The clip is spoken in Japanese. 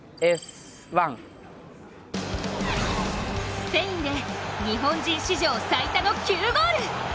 スペインで日本人史上最多の９ゴール。